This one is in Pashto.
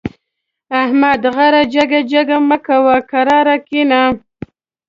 احمده! غره جګه جګه مه کوه؛ کرار کېنه.